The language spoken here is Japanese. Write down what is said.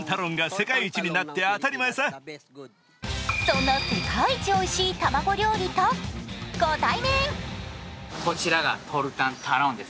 そんな世界一おいしい卵料理とご対面。